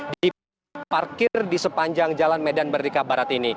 diparkir di sepanjang jalan medan merdeka barat ini